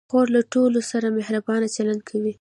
خور له ټولو سره مهربان چلند کوي.